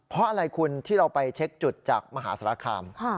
เพราะอะไรคุณที่เราไปเช็คจุดจากมหาสารคาม